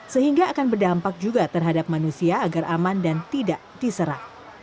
sehingga akan berdampak juga terhadap manusia agar aman dan tidak diserang